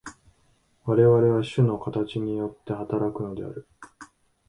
我々は種の形によって働くのである。